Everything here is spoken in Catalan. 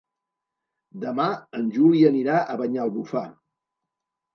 Demà en Juli anirà a Banyalbufar.